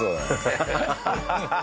ハハハハ！